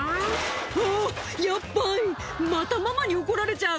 あっ、やっばい、またママに怒られちゃう。